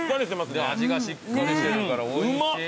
味がしっかりしてるからおいしい。